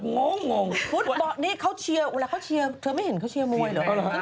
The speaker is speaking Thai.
เนี้ยเค้าเชียร์อุ่นแหละให้เชียร์เธอไม่เห็นเค้าเชียร์มวยเหรอ